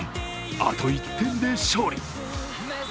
あと１点で勝利。